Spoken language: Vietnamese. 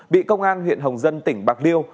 bị công an huyện hồng dân tỉnh bạc liêu